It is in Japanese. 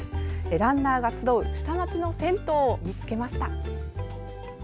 ランナーが集う下町の銭湯見つけました。